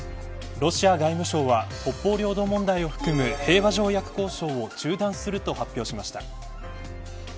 ロシア外務省は北方領土問題を含む、平和条約交渉を中断すると発表しました。